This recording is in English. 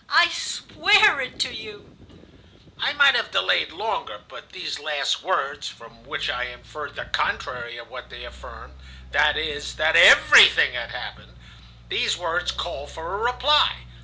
I swear it to you!' "I might have delayed longer, but these last words, from which I inferred the contrary of what they affirmed,—that is, that everything had happened,—these words called for a reply.